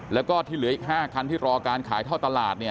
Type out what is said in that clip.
แล้วก็ที่เหลืออีก๕คันที่รอการขายท่อตลาด